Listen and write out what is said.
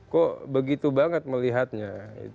kok begitu banget melihatnya